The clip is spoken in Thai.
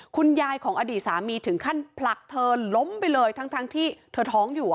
คุณยายของอดีตสามีถึงขั้นผลักเธอล้มไปเลยทั้งที่เธอท้องอยู่